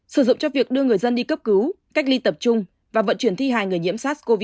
sử dụng cho việc đưa người dân đi cấp cứu cách ly tập trung và vận chuyển thi hài người nhiễm sars cov hai